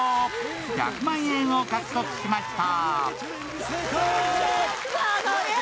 １００万円を獲得しました。